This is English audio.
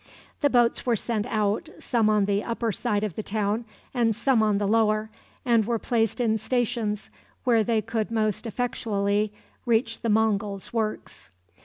The boats were sent out, some on the upper side of the town and some on the lower, and were placed in stations where they could most effectually reach the Mongul works.